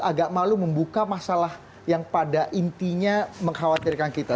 agak malu membuka masalah yang pada intinya mengkhawatirkan kita